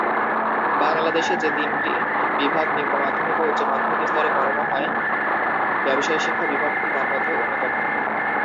বাংলাদেশে যে তিনটি বিভাগ নিম্ন মাধ্যমিক ও উচ্চ মাধ্যমিক স্তরে পড়ানো হয়, ব্যবসায় শিক্ষা বিভাগটি তার মধ্যে অন্যতম।